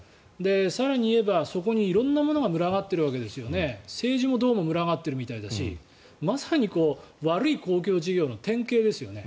更に言えばそこに色んなものが群がってて政治も群がってるみたいだしまさに悪い公共事業の典型ですよね。